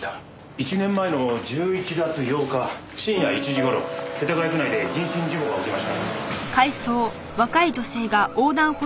１年前の１１月８日深夜１時頃世田谷区内で人身事故が起きました。